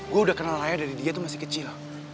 gue udah kenal layar dari dia tuh masih kecil